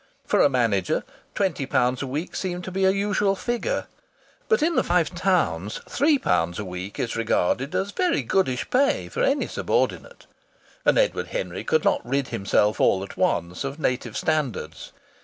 For a manager twenty pounds a week seemed to be a usual figure. But in the Five Towns three pounds a week is regarded as very goodish pay for any sub ordinate, and Edward Henry could not rid himself all at once of native standards.